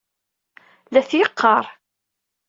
La t-yeqqaṛ.